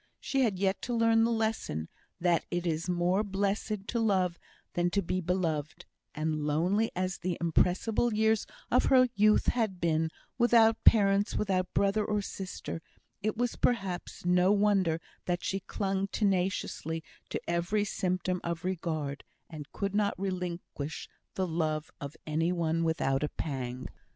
She had yet to learn the lesson, that it is more blessed to love than to be beloved; and lonely as the impressible years of her youth had been without parents, without brother or sister it was, perhaps, no wonder that she clung tenaciously to every symptom of regard, and could not relinquish the love of any one without a pang.